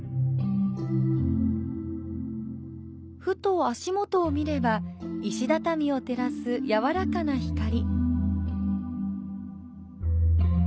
ふと足元を見れば、石畳を照らす柔らかな光。